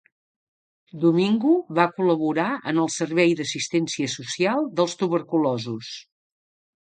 Domingo va col·laborar en el Servei d'Assistència Social dels Tuberculosos.